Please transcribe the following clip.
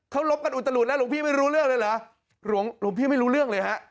เขาลบกันอุตลุดแล้วหลวงพี่ไม่รู้เรื่องเลยเหรอหลวงหลวงพี่ไม่รู้เรื่องเลยฮะ